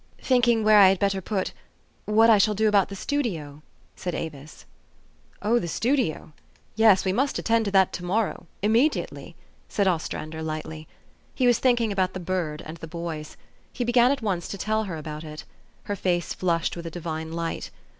" Thinking where I had better put what I shall do about the studio? " said Avis. " Oh the studio ! yes. We must attend to that 252 THE STORY OF AVIS. to morrow, immediately," said Ostrander lightly. He was thinking about the bird and the boys. He began at once to tell her about it. Her face flushed with a divine light.